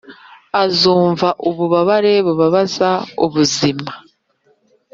azumva ububabare bubabaza ubuzima,